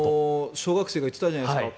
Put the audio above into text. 小学生が言っていたじゃないですか。